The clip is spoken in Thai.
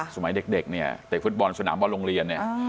สมัยเด็กเนี่ยเด็กฟุตบอลสนามบอลโรงเรียนเนี่ย